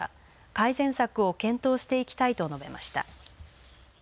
改善策を検討していきたいと述べました。